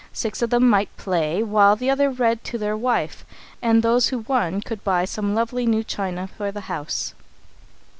Six of them might play, while the other read to their wife, and those who won could buy some lovely new china for the house.